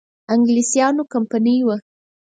انګلیسیانو کمپنی وه.